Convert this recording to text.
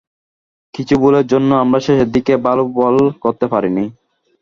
কিছু ভুলের জন্য আমরা শেষের দিকে ভালো বল করতে পারিনি।